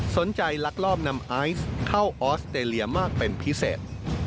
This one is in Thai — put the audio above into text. ลักลอบนำไอซ์เข้าออสเตรเลียมากเป็นพิเศษ